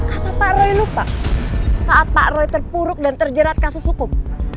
apa pak roy lupa saat pak roy terpuruk dan terjerat kasus hukum